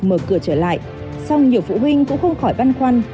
mở cửa trở lại song nhiều phụ huynh cũng không khỏi băn khoăn